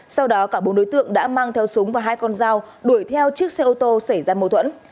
sau đó cả bốn đối tượng đã mang theo súng và hai con dao đuổi theo chiếc xe ô tô xảy ra mâu thuẫn